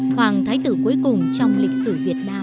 hoàng thái tử cuối cùng trong lịch sử việt nam